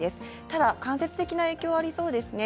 ただ間接的な影響はありそうですね。